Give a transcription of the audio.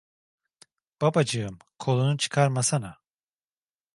Babacığım, kolunu çıkarmasana!